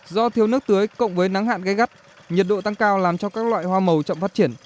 do thiếu nước tưới cộng với nắng hạn gai gắt nhiệt độ tăng cao làm cho các loại hoa màu chậm phát triển